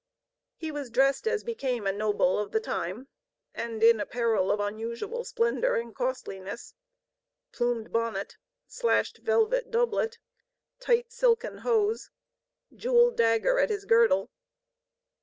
He was dressed as became a noble of the time, and in apparel of unusual splendor and costliness; plumed bonnet, slashed velvet doublet, tight silken hose, jeweled dagger at his girdle.